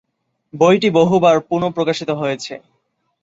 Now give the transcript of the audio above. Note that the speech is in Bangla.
বইটি বহুবার পুনঃ প্রকাশিত হয়েছে।